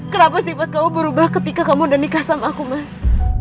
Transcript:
kenapa sifat kau berubah ketika kamu udah nikah sama aku mas